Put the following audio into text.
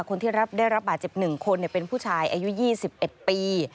คนที่ได้รับบาดเจ็บ๑คนเป็นผู้ชายอายุ๒๑ปี